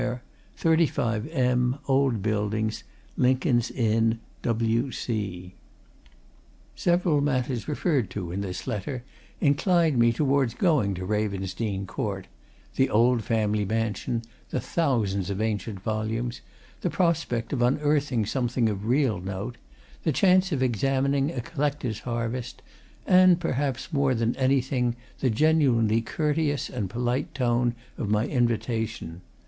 "35M, Old Buildings, Lincoln's Inn, W. C." Several matters referred to in this letter inclined me towards going to Ravensdene Court the old family mansion the thousands of ancient volumes the prospect of unearthing something of real note the chance of examining a collector's harvest and perhaps more than anything, the genuinely courteous and polite tone of my invitation.